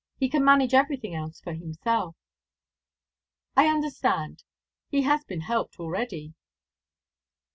He can manage everything else for himself." "I understand. He has been helped already."